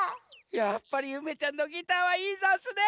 やっぱりゆめちゃんのギターはいいざんすね。